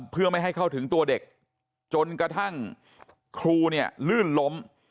เพื่อไม่ให้เข้าถึงตัวเด็กจนกระทั่งครูเนี่ยลื่นล้ม